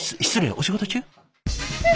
お仕事中？